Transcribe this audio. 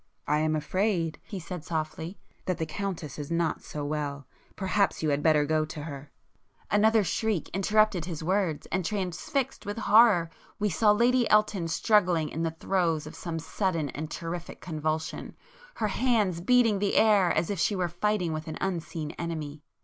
"I am afraid," he said softly—"that the Countess is not so well,—perhaps you had better go to her—" Another shriek interrupted his words, and transfixed with horror we saw Lady Elton struggling in the throes of some sudden and terrific convulsion, her hands beating the air as if she were fighting with an unseen enemy.